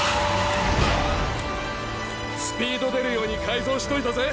スピード出るように改造しといたぜ！